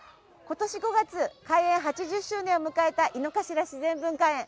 今年５月開園８０周年を迎えた井の頭自然文化園。